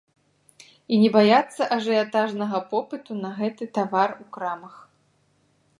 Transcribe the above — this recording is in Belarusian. І не баяцца ажыятажнага попыту на гэты тавар у крамах.